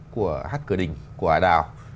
của hát cửa đình của ả đào